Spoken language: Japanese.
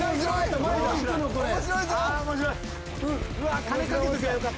面白いぞ。